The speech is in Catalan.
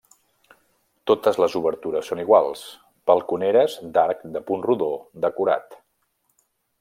Totes les obertures són iguals: balconeres d'arc de punt rodó decorat.